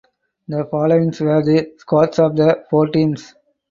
The followings were the squads of the four teams.